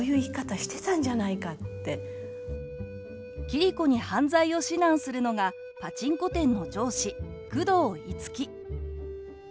桐子に犯罪を指南するのがパチンコ店の上司久遠樹。